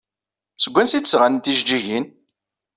Seg wansi ay d-sɣan tijeǧǧigin?